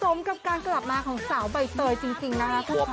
สมกับการกลับมาของสาวใบเตยจริงนะฮะค่ะ